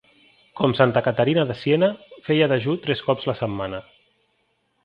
Com Santa Caterina de Siena, feia dejú tres cops la setmana.